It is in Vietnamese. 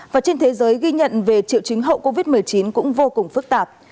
và trên thế giới ghi nhận về triệu chứng hậu covid một mươi chín cũng vô cùng phức tạp